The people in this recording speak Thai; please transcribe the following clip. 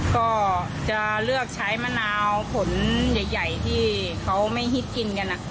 ก็จะเลือกใช้มะนาวผลใหญ่ที่เขาไม่ฮิตกินกัน